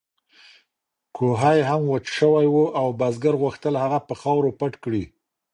کوهی هم وچ شوی و او بزګر غوښتل هغه په خاورو پټ کړي.